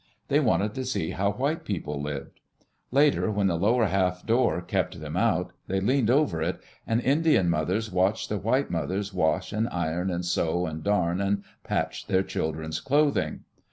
They wanted to see how white people lived. Later, when the lower half door kept them out, they leaned over it, and Indian mothers watched the white mothers wash and iron and sew and darn and patch their children's clothing.